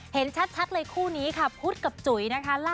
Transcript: เห็นชัดเลยคู่นี้ค่ะพุทธกับจุ๋ยนะคะ